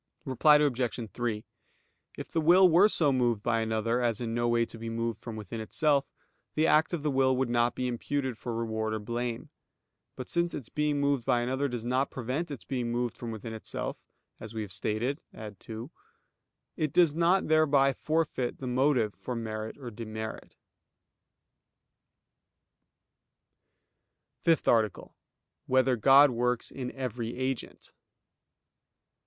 Reply Obj. 3: If the will were so moved by another as in no way to be moved from within itself, the act of the will would not be imputed for reward or blame. But since its being moved by another does not prevent its being moved from within itself, as we have stated (ad 2), it does not thereby forfeit the motive for merit or demerit. _______________________ FIFTH ARTICLE [I, Q. 105, Art. 5] Whether God Works in Every Agent?